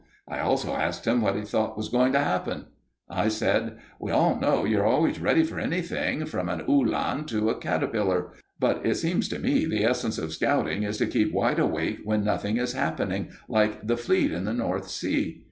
I also asked him what he thought was going to happen. I said: "We all know you're always ready for anything from an Uhlan to a caterpillar but it seems to me the essence of scouting is to keep wide awake when nothing is happening, like the fleet in the North Sea.